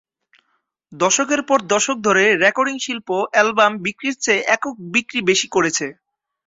দশকের পর দশক ধরে রেকর্ডিং শিল্প অ্যালবাম বিক্রির চেয়ে একক বিক্রি বেশি করেছে।